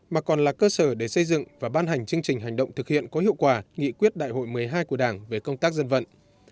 mà còn là cơ sở để xây dựng và ban hành chương trình hành động thực hiện có hiệu quả nghị quyết đại hội một mươi hai của đảng về công tác dân vận